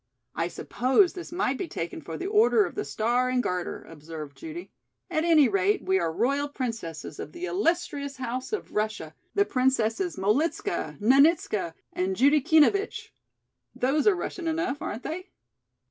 "I suppose this might be taken for the Order of the Star and Garter," observed Judy. "At any rate, we are royal princesses of the illustrious house of Russia, the Princesses Molitzka, Nanitska and Judiekeanovitch. Those are Russian enough, aren't they?"